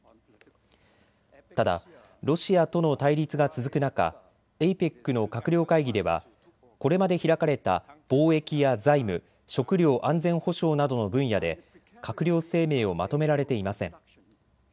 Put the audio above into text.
ただロシアとの対立が続く中、ＡＰＥＣの閣僚会議ではこれまで開かれた貿易や財務、食料安全保障などの分野で閣僚声明をまとめられていません。